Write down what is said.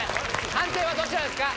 判定はどちらですか？